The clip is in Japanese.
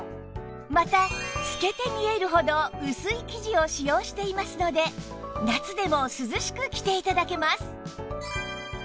また透けて見えるほど薄い生地を使用していますので夏でも涼しく着て頂けます